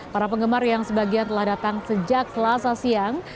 para penggemar yang sebagian telah datang sejak selasa siang